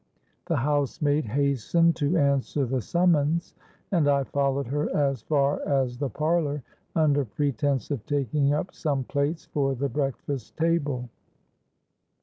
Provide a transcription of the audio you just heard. The housemaid hastened to answer the summons, and I followed her as far as the parlour, under pretence of taking up some plates for the breakfast table.